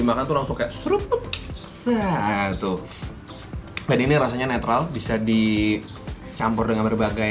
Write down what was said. makan tuh langsung kayak serup satu bad ini rasanya netral bisa dicampur dengan berbagai